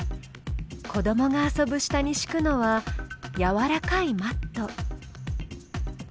子どもが遊ぶ下にしくのはやわらかいマット。